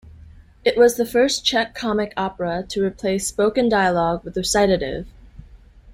It was the first Czech comic opera to replace spoken dialogue with recitative.